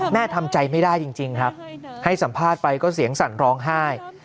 ทำใจไม่ได้จริงครับให้สัมภาษณ์ไปก็เสียงสั่นร้องไห้